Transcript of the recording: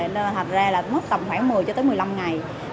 nên là thật ra mất tầm khoảng một mươi cho tới tất cả